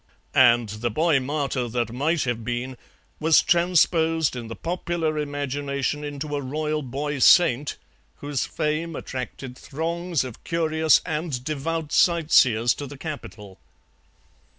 And the boy martyr that might have been was transposed in the popular imagination into a royal boy saint, whose fame attracted throngs of curious and devout sightseers to the capital.